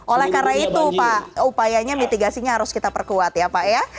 oleh karena itu pak upayanya mitigasinya harus kita perkuat ya pak ya